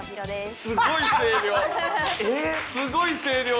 すごい声量。